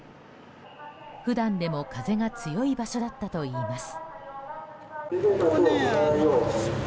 普段でも風が強い場所だったといいます。